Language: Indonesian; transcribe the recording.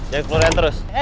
jangan keluarin terus